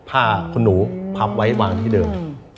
ผ้าคุณหนูพับไว้วางที่เดิม